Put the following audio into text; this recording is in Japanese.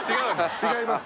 違います。